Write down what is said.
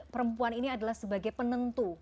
perempuan ini adalah sebagai penentu